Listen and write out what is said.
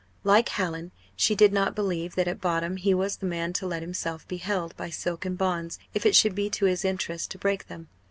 Like Hallin, she did not believe, that at bottom he was the man to let himself be held by silken bonds if it should be to his interest to break them.